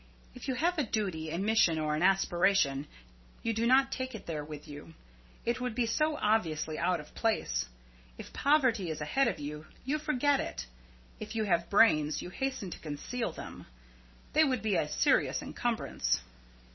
If you have a duty, a mission, or an aspiration, you do not take it there with you, it would be so obviously out of place; if poverty is ahead of you, you forget it; if you have brains, you hasten to conceal them; they would be a serious encumbrance.